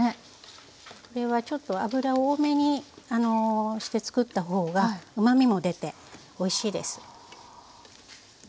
これはちょっと油多めにして作った方がうまみも出ておいしいです。